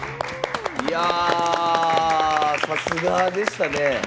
さすがでしたね。